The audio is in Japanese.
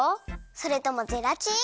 それともゼラチン？